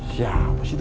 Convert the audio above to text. siapa sih itu